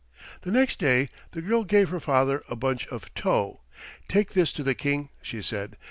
The next day the girl gave her father a bunch of tow. "Take this to the King," she said.